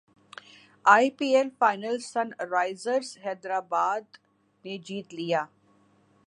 ائی P L final Sunrisers Hyderabad نے جیت لیا